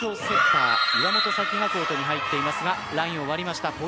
セッター岩本沙希がコートに入っていますがラインを割りました。